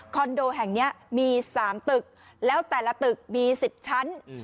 โดแห่งนี้มี๓ตึกแล้วแต่ละตึกมี๑๐ชั้น